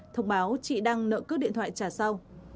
thông báo chị đang nợ cướp điện thoại trả sau